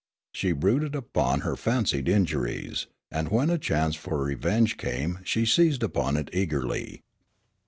She brooded upon her fancied injuries, and when a chance for revenge came she seized upon it eagerly.